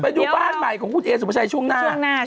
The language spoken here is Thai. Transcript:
ไปดูบ้านใหม่ของคุณเอสุภาชัยช่วงหน้า